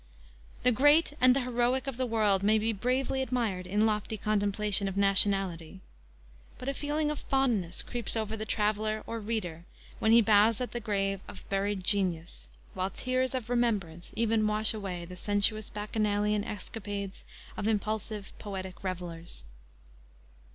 The great and the heroic of the world may be bravely admired in lofty contemplation of nationality, but a feeling of fondness creeps over the traveler or reader when he bows at the grave of buried genius, while tears of remembrance even wash away the sensuous Bacchanalian escapades of impulsive, poetic revelers.